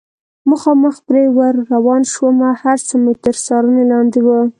مخامخ پرې ور روان شوم، هر څه مې تر څارنې لاندې و.